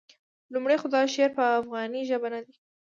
لومړی خو دا شعر په افغاني ژبه نه دی.